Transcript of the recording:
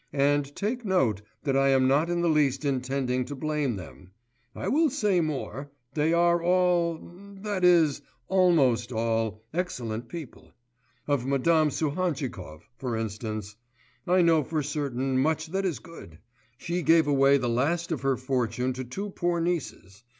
And take note that I am not in the least intending to blame them; I will say more, they are all ... that is, almost all, excellent people. Of Madame Suhantchikov, for instance, I know for certain much that is good; she gave away the last of her fortune to two poor nieces.